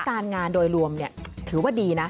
การงานโดยรวมถือว่าดีนะ